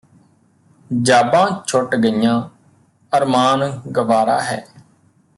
ਜਾਬਾਂ ਛੁੱਟ ਗਈਆਂ ਅਰਮਾਨ ਗਵਾਰਾ ਹੈ